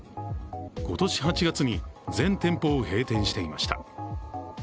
今年８月に全店舗を閉店していました。